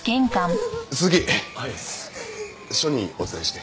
鈴木署にお連れして。